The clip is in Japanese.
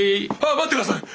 あ待ってください！